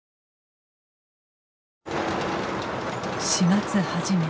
４月初め。